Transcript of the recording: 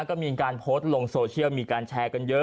ก็มีการโพสต์ลงโซเชียลมีการแชร์กันเยอะ